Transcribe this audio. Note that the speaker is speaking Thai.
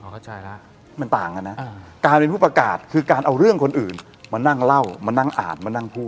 เข้าใจแล้วมันต่างกันนะการเป็นผู้ประกาศคือการเอาเรื่องคนอื่นมานั่งเล่ามานั่งอ่านมานั่งพูด